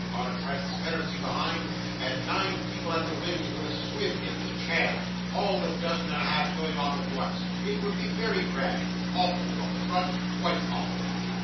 on a transparency behind; and nine people at the wings with a squib in each hand all the dozen and a half going off at once it would be very grand awful from the front, quite awful.